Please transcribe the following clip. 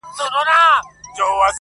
ميږي ته چي خداى په قهر سي، وزرونه ورکي.